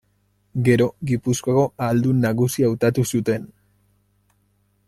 Gero Gipuzkoako Ahaldun Nagusi hautatu zuten.